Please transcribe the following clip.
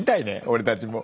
俺たちも。